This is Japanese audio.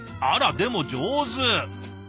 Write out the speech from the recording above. あらでも上手！